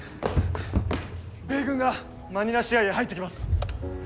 米軍がマニラ市街へ入ってきます。